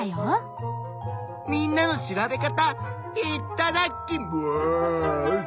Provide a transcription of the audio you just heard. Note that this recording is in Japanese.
みんなの調べ方いっただきます！